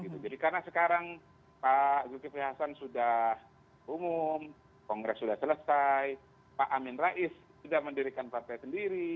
jadi karena sekarang pak jokowi hasan sudah umum kongres sudah selesai pak amin rais sudah mendirikan partai sendiri